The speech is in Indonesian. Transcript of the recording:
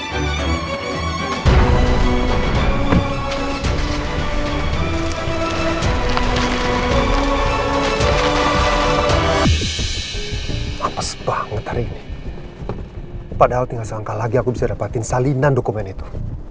hampir banget hari ini padahal tinggal seangka lagi aku bisa dapetin salinan dokumen itu